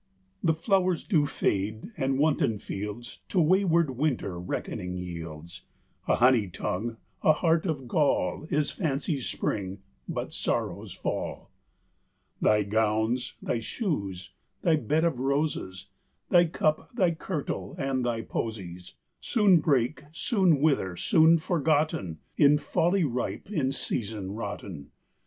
The flowers do fade, and wanton fields To wayward winter reckoning yields; A honey tongue, a heart of gall, Is fancy's spring: but sorrow's fall. Thy gowns, thy shoes, thy bed of roses, Thy cup, thy kirtle, and thy posies, Soon break, soon wither, soon forgotten; In folly ripe, in reason rotten.